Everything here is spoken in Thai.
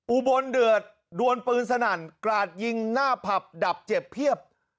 อุบลเดือดดวนปืนสนั่นกราดยิงหน้าผับดับเจ็บเพียบ